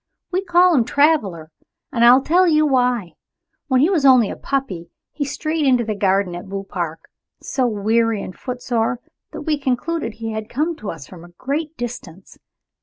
"We call him Traveler, and I will tell you why. When he was only a puppy he strayed into the garden at Beaupark, so weary and footsore that we concluded he had come to us from a great distance.